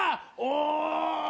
お。